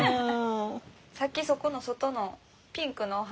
さっきそこの外のピンクのお花。